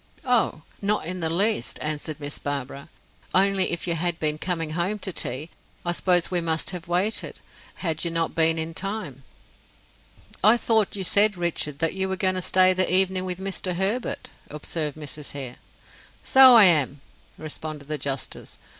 "Oh, not in the least," answered Miss Barbara. "Only if you had been coming home to tea, I suppose we must have waited, had you not been in time." "I thought you said, Richard, that you were going to stay the evening with Mr. Herbert?" observed Mrs. Hare. "So I am," responded the justice.